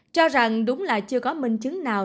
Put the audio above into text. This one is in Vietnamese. cho rằng đúng là chưa có minh chứng nào